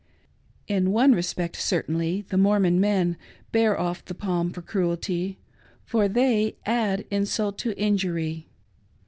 In one respect cer tainly the Mormon men bear off the palm for cruelty; for they add insult to injury.